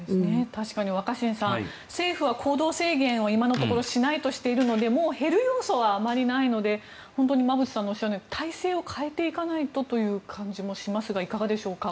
確かに若新さん政府は行動制限を今のところしないとしているので減る要素はあまりないので本当に馬渕さんがおっしゃるように体制を変えていかないとという感じもしますがいかがでしょうか？